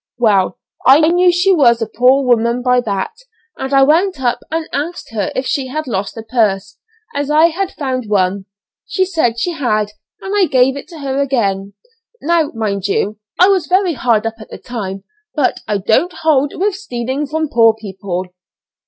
Well, I knew she was a poor woman by that, and I went up and asked her if she had lost a purse, as I had found one. She said she had, and I gave it to her again. Now, mind you, I was very hard up at the time, but I don't hold with stealing from poor people.